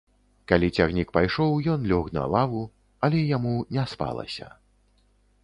Калі цягнік пайшоў, ён лёг на лаву, але яму не спалася.